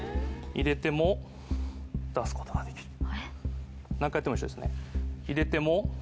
入れても出すことができると。